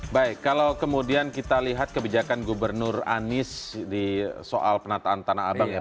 baik kalau kemudian kita lihat kebijakan gubernur anies di soal penataan tanah abang